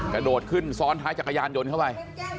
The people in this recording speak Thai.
กระโดดขึ้นซ้อนท้ายจักรยานยนต์เข้าไป